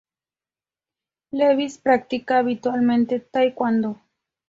Lewis practica habitualmente taekwondo.